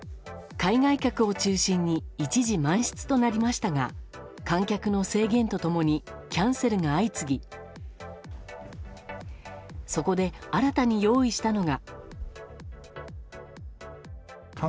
海外客を中心に一時満室となりましたが観客の制限と共にキャンセルが相次ぎそこで、新たに用意したのが。